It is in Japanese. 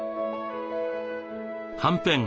はんぺん